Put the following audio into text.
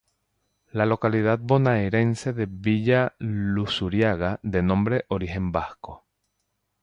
La localidad bonaerense de Villa Luzuriaga de nombre origen vasco.